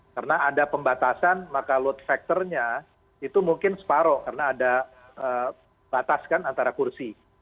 karena ada pembatasan maka load factornya itu mungkin separoh karena ada batas kan antara kursi